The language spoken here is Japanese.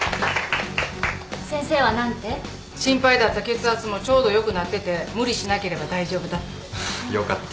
心配だった血圧もちょうどよくなってて無理しなければ大丈夫だって。